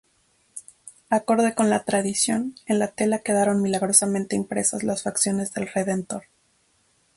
Acorde con la tradición, en la tela quedaron milagrosamente impresas las facciones del Redentor.